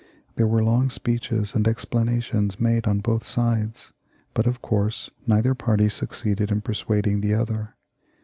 There were long speeches and explanations made on both sides, but of course neither party succeeded in persuading the other.